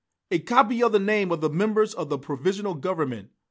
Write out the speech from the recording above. "A copy of the names of the members of the Provisional Government!"